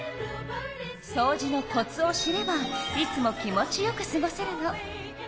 そうじのコツを知ればいつも気持ちよくすごせるの。